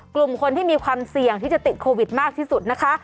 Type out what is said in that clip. กลุ่มคนที่มีความเสี่ยงที่จะติดโควิดมากที่สุดนะคะ